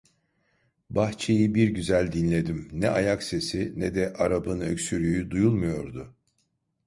Bahçeyi bir güzel dinledim: Ne ayak sesi, ne de Arap'ın öksürüğü duyulmuyordu.